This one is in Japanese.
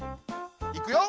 いくよ。